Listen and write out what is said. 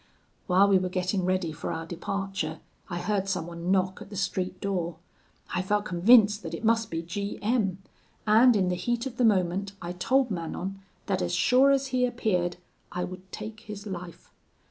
"While we were getting ready for our departure, I heard someone knock at the street door. I felt convinced that it must be G M ; and in the heat of the moment, I told Manon, that as sure as he appeared I would take his life.